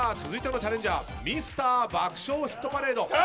続いてのチャレンジャーミスター「爆笑ヒットパレード」。